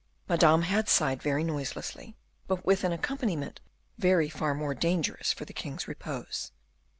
Madame had sighed very noiselessly, but with an accompaniment very far more dangerous for the king's repose.